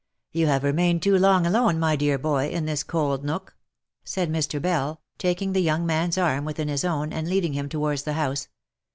" You have remained too long alone, my dear boy, in this cold nock," said Mr. Bell, taking the young man's arm within his own, and leading him towards the house.